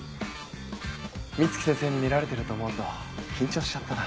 美月先生に見られてると思うと緊張しちゃったな。